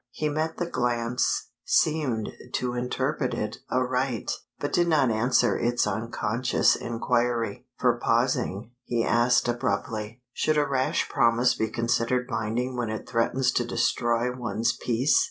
He met the glance, seemed to interpret it aright, but did not answer its unconscious inquiry; for pausing, he asked abruptly "Should a rash promise be considered binding when it threatens to destroy one's peace?"